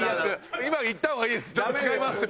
今言った方がいいです。